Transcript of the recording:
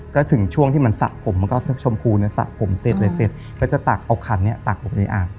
ก็ถึงช่วงที่มันสระผมมันก็ชมพูเนี่ยสระผมเสร็จเลยเสร็จก็จะตักเอาขันเนี่ยตักผมในอ่าง